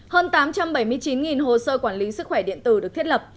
hơn tám trăm bảy mươi chín hồ sơ quản lý sức khỏe điện tử được thiết lập